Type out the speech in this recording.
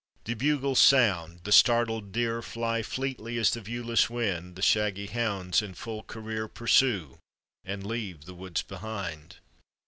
The bugles sound, the startled deer Fly fleetly as the viewless wind, The shaggy hounds in full cnreer Pursue und leave the woods behind.